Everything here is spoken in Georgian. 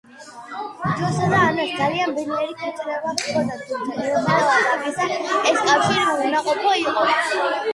ჯონსა და ანას ძალიან ბედნიერი ქორწინება ჰქონდათ, თუმცა მიუხედავად ამისა, ეს კავშირი უნაყოფო იყო.